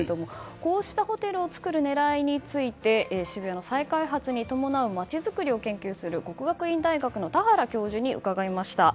こうしたホテルを作る狙いについて渋谷の再開発に伴う町づくりを研究する國學院大学の田原教授に伺いました。